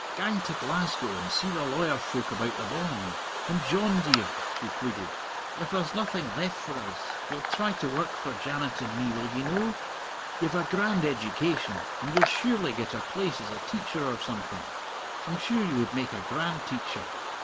Gang to Glasgow and see the lawyer folk about the bond. And, John dear," she pleaded, "if there's nothing left for us, you'll try to work for Janet and me, will ye no? You've a grand education, and you'll surely get a place as a teacher or something; I'm sure you would make a grand teacher.